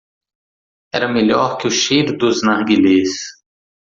Era melhor que o cheiro dos narguilés.